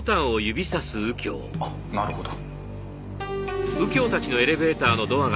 あっなるほど。